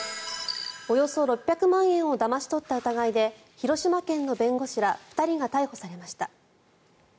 およそ６００万円をだまし取った疑いで広島県の弁護士ら２人が逮捕されました。